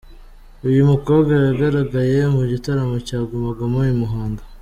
Uyu mukobwa yagaragaye mu gitaramo cya Guma Guma i Muhanga.